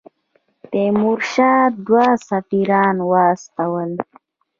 تیمورشاه دوه سفیران واستول.